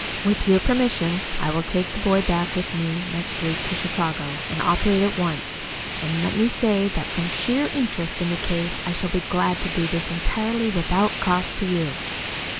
With your permission I will take the boy back with me next week to Chicago, and operate at once. And let me say that from sheer interest in the case I shall be glad to do this entirely without cost to you."